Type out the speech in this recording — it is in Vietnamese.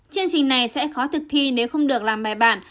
chương trình này sẽ khó thực thi nếu không được làm bài bản